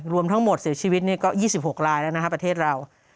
รวมทั้งหมดเสียชีวิตก็๒๖ลายแล้วนะครับประเทศเรา